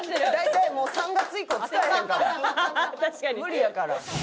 無理やから。